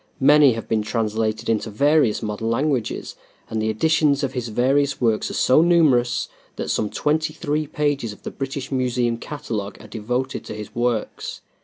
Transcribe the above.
Many have been translated into various modern languages, and the editions of his various works are so numerous that some twenty three pages of the British Museum catalogue are devoted to his works.